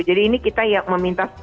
jadi ini kita yang meminta